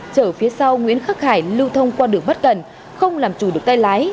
chở phía sau nguyễn khắc hải lưu thông qua đường bất cẩn không làm chủ được tay lái